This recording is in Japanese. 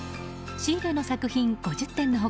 シーレの作品５０点の他